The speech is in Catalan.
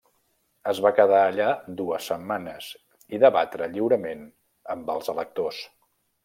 Es va quedar allà dues setmanes i debatre lliurement amb els electors.